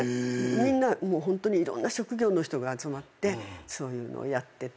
みんなホントにいろんな職業の人が集まってそういうのをやってて。